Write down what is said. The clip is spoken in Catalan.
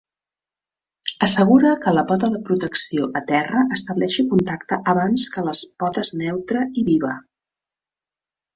Assegura que la pota de protecció a terra estableixi contacte abans que les potes neutra i viva.